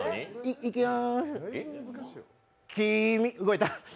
いきます。